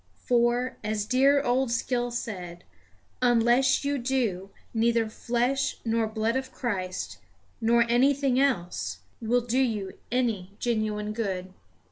For, as dear old Skill said, unless you do, neither flesh nor blood of Christ, nor anything else, will do you any genuine good.